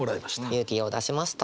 勇気を出しました。